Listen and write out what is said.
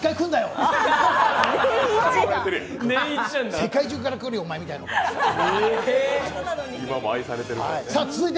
世界中から来るよ、お前みたいなのがって。